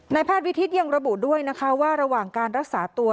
ในพาตวิทธิตยังระบุด้วยว่าระหว่างการรักษาตัว